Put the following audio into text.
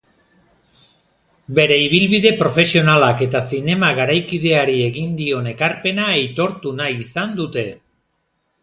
Bere ibilbide profesionalak eta zinema garaikideari egin dion ekarpena aitortu nahi izan dute.